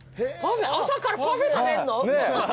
朝からパフェ食べんの？